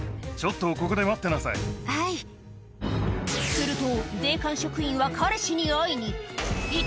すると君。